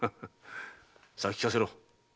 さあ聞かせろ。